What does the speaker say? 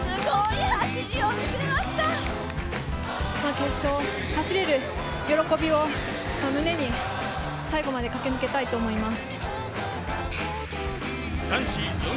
決勝、走れる喜びを胸に最後まで駆け抜けたいと思います。